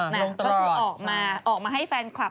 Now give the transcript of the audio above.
นะเขาก็ออกมาให้แฟนคลับ